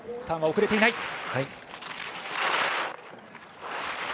ターンは遅れていない。